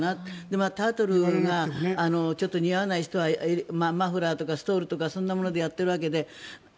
でも、タートルが似合わない人はマフラーとかストールとかそんなものでやってるわけで。